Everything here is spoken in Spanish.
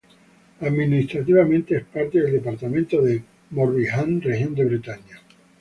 Administrativamente es parte del departamento de Morbihan, región de Bretaña.